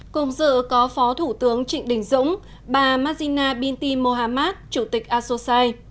cùng dự có phó thủ tướng trịnh đình dũng bà mazina binti mohamad chủ tịch asosai